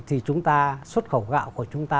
thì chúng ta xuất khẩu gạo của chúng ta